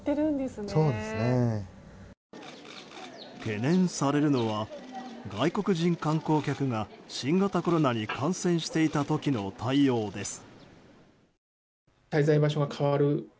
懸念されるのは外国人観光客が新型コロナに感染していた時の対応です。